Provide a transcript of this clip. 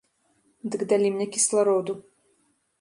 Дык далі мне кіслароду.